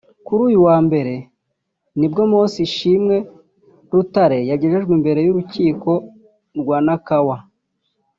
kuri uyu wa Mbere nibwo Moses Ishimwe Rutare yagejejwe imbere y’urukiko rwa Nakawa